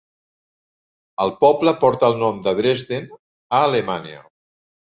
El poble porta el nom de Dresden, a Alemanya.